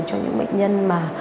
cho những bệnh nhân